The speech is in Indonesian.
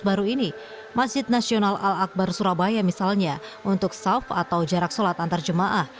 baru ini masjid nasional al akbar surabaya misalnya untuk south atau jarak sholat antarjemaah